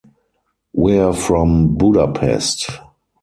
We’re from Budapest.